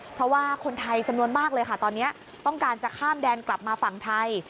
เพราะว่าคนไทยจำนวนมากเลยค่ะตอนนี้ต้องการจะข้ามแดนกลับมาฝั่งไทย